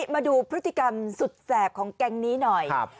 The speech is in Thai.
มาดูพฤติกรรมสุดแสบของแก๊งนี้หน่อย